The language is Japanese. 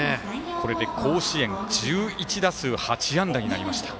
これで甲子園１１打数８安打になりました。